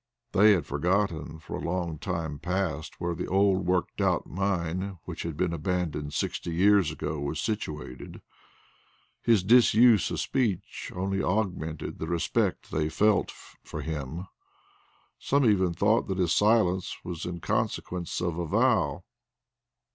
They had forgotten for a long time past where the old worked out mine which had been abandoned sixty years ago was situated. His disuse of speech only augmented the respect they felt for him. Some even thought that his silence was in consequence of a vow.